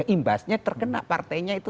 imbasnya terkena partainya itu